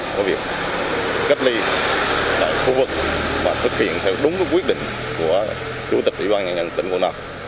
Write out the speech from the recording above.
có việc cách ly tại khu vực và thực hiện theo đúng quyết định của chủ tịch ủy ban nhà nhân tỉnh quảng nam